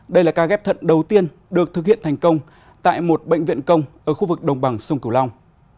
đây là ca ghép thận đầu tiên được thực hiện thành công tại một bệnh viện công ở khu vực đồng bằng sông cửu long